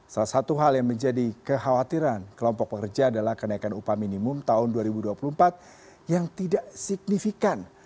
salah satu hal yang menjadi kekhawatiran kelompok pekerja adalah kenaikan upah minimum tahun dua ribu dua puluh empat yang tidak signifikan